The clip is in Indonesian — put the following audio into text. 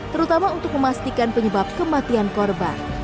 terutama untuk memastikan penyebab kematian korban